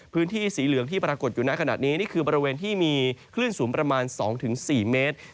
พื้นที่สีเหลืองที่ปรากฏอยู่ในขณะนี้นี่คือบริเวณที่มีคลื่นสูงประมาณ๒๔เมตร